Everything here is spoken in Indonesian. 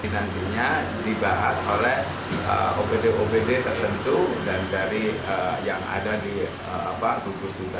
nantinya dibahas oleh obd obd tertentu dan dari yang ada di hukum hukum